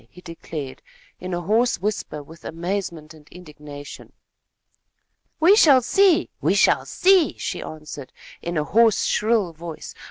he declared, in a voice hoarse with amazement and indignation. "We shall see! We shall see!" she answered, in a hoarse, shrill voice.